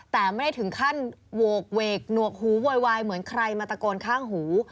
แต่ไม่ได้ถึงขั้นโหกเวกหนวกหูโวยวายเหมือนใครมาตะโกนข้างหู